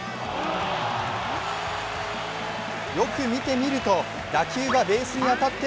よく見てみると打球がベースに当たって